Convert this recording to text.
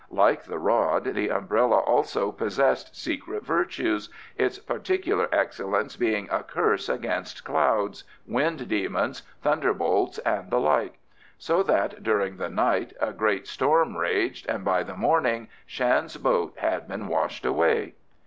Like the rod the umbrella also possessed secret virtues, its particular excellence being a curse against clouds, wind demons, thunderbolts and the like, so that during the night a great storm raged, and by the morning Shan's boat had been washed away.